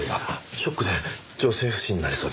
ショックで女性不信になりそうです。